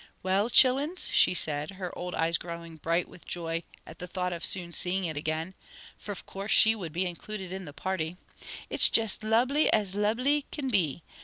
"Well, chillins," she said, her old eyes growing bright with joy at the thought of soon seeing it again for of course she would be included in the party "it's jes lubly as lubly kin be!